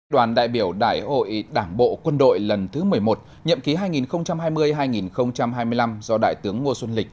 đoàn đại biểu đại hội đảng bộ quân đội lần thứ một mươi một nhậm ký hai nghìn hai mươi hai nghìn hai mươi năm do đại tướng ngô xuân lịch